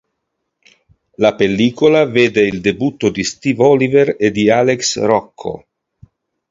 La pellicola vede il debutto di Steve Oliver e di Alex Rocco.